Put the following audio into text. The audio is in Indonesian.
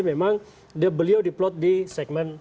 memang beliau diplot di segmen